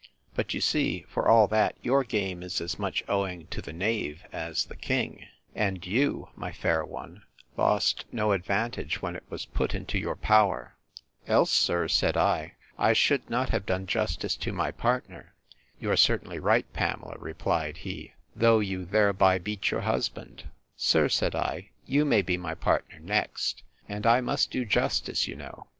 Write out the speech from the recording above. But you see, for all that, your game is as much owing to the knave as the king; and you, my fair one, lost no advantage, when it was put into your power. Else, sir, said I, I should not have done justice to my partner. You are certainly right, Pamela, replied he; though you thereby beat your husband. Sir, said I, you may be my partner next, and I must do justice, you know.